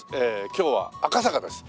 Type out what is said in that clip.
今日は赤坂です。